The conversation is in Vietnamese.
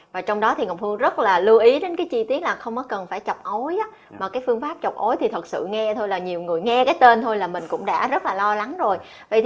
và trong đó thì ngọc thu rất là lưu ý đến cái chi tiết là không có cần phải chọc ấu mà cái phương pháp chọc ối thì thật sự nghe thôi là nhiều người nghe cái tên thôi là mình cũng đã rất là lo lắng rồi